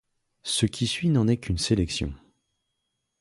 Ce qui suit n'en est qu'une sélection.